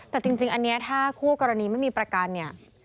แต่จริงถ้าคู่กรณีกร์ศไม่มีประกันฟังงาน